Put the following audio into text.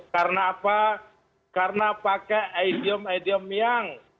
karena apa karena pakai idiom idiom yang